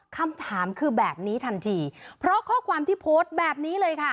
คำถามคือแบบนี้ทันทีเพราะข้อความที่โพสต์แบบนี้เลยค่ะ